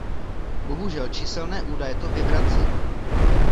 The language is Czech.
Bohužel, číselné údaje to vyvracejí.